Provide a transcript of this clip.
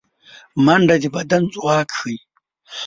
منډه د بدن ځواک ښيي